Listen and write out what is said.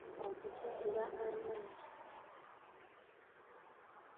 Okutuziba amaaso.